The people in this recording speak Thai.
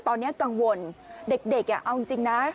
ตอนนี้กังวลเด็กเอาจริงนะ